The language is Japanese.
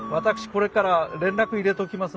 これから連絡入れときますので。